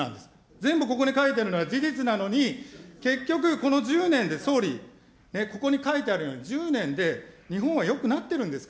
全部ここに書いてるのは、事実なのに、結局、この１０年で総理、ここに書いてあるように、１０年で日本はよくなってるんですか。